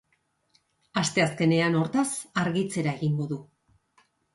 Asteazkenean, hortaz, argitzera egingo du.